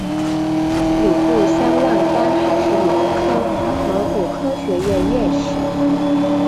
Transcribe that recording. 鲁布桑旺丹还是蒙古科学院院士。